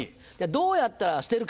どうなったら捨てるか。